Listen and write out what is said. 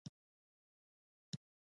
د بیان ازادي مهمه ده ځکه چې ادب غني کوي.